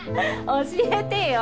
教えてよ！